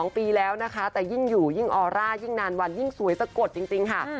๒ปีแล้วนะคะแต่ยิ่งอยู่ยิ่งออร่ายิ่งนานวันยิ่งสวยสะกดจริงค่ะ